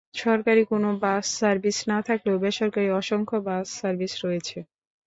সরকারি কোনো bus service না থাকলেও বেসরকারি অসংখ্য বাস সার্ভিস রয়েছে।